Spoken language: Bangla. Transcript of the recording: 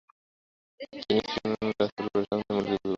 তিনি সিউনিক এর একটি রাজপরিবার এর এক সম্ভ্রান্ত মহিলাকে বিবাহ করেন।